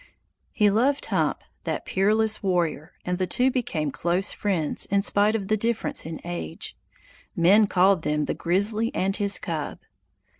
He loved Hump, that peerless warrior, and the two became close friends, in spite of the difference in age. Men called them "the grizzly and his cub."